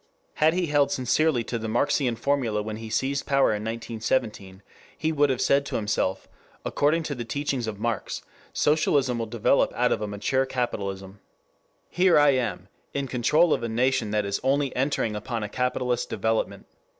Had he held sincerely to the Marxian formula when he seized power in 1917, he would have said to himself: according to the teachings of Marx, socialism will develop out of a mature capitalism... here am I, in control of a nation that is only entering upon a capitalist development...